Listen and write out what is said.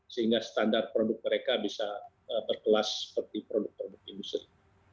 sehingga standar produk mereka bisa berkelas seperti produk produk industri